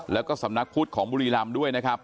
แล้วก็สำนักพุทธของบุรีรำด้วยนะครับ